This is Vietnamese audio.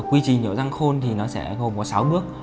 quy trình hiểu răng khôn thì nó sẽ gồm có sáu bước